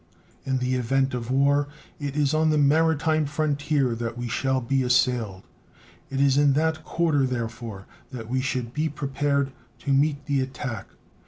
In the event of war it is on the maritime frontier that we shall be assailed. It is in that quarter, therefore, that we should be prepared to meet the attack.